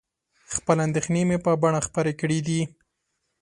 خپلې اندېښنې مې په بڼه خپرې کړي دي.